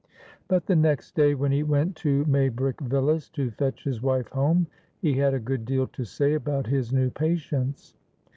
But the next day when he went to Maybrick Villas to fetch his wife home, he had a good deal to say about his new patients.